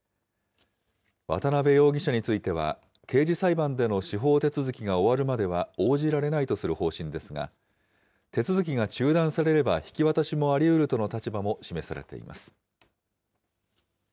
渡邉容疑者については、刑事裁判での司法手続きが終わるまでは応じられないとする方針ですが、手続きが中断されれば、引き渡しもありうるとの立場も示されています。